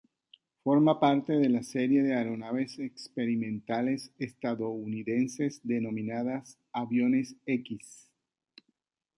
Forma parte de la serie de aeronaves experimentales estadounidenses denominadas "aviones X".